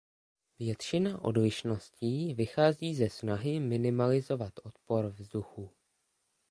Většina odlišností vychází ze snahy minimalizovat odpor vzduchu.